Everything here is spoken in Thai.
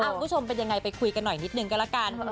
คุณผู้ชมเป็นยังไงไปคุยกันหน่อยนิดนึงก็แล้วกัน